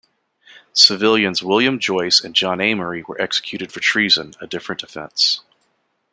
Civilians William Joyce and John Amery were executed for treason, a different offence.